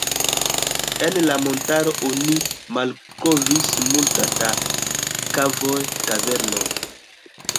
En la montaro oni malkovris multe da kavoj, kavernoj.